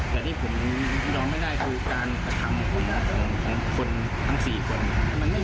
แต่๙๖คนยอมไม่ได้สู้การทำรุนของคนทั้ง๔คน